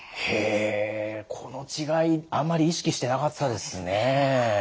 この違いあんまり意識してなかったですね。